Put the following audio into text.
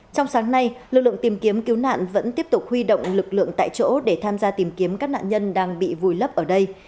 trong sáng nay lực lượng tìm kiếm cứu nạn vẫn tiếp tục huy động lực lượng tại chỗ để tham gia tìm kiếm các nạn nhân đang bị vùi lấp ở đây